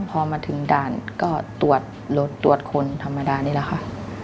พอมาถึงด่านก็ตรวจรถตรวจคนธรรมดานี่แหละค่ะ